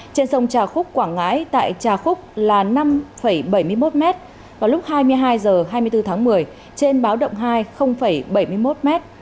trên sông trà khúc quảng ngãi tại trà khúc là năm bảy mươi một m vào lúc hai mươi hai h hai mươi bốn tháng một mươi trên báo động hai bảy mươi một m